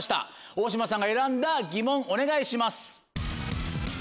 大島さんが選んだ疑問お願いします。